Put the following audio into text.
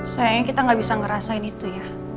sayangnya kita nggak bisa ngerasain itu ya